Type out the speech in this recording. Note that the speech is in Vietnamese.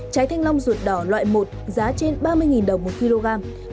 trái thanh long ruột đỏ loại một giá trên ba mươi đồng một kg